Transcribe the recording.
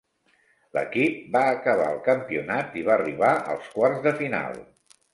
L'equip va acabar el campionat i va arribar als quarts de final.